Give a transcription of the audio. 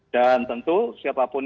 dan tentu siapapun